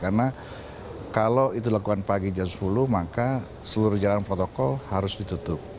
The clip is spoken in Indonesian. karena kalau itu lakukan pagi jam sepuluh maka seluruh jalan protokol harus ditutup